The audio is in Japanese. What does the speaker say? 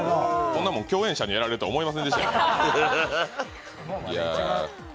こんなもん、共演者にやられるとは思いませんでしたよ。